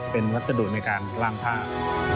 เป็นวัสดุในการล่างผ้า